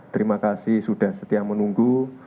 terima kasih sudah setia menunggu